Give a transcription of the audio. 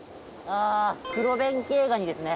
クロベンケイガニですね。